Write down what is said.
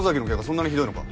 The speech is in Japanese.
そんなにひどいのか？